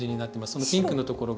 そのピンクのところが。